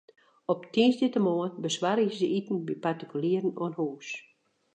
Op tiisdeitemoarn besoargje se iten by partikulieren oan hûs.